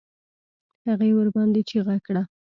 هغې ورباندې چيغه کړه.